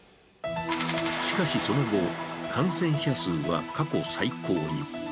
しかしその後、感染者数は過去最高に。